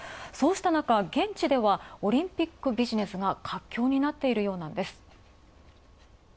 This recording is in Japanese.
そうしたなか、現地ではオリンピックビジネスが活況になっているようなんです。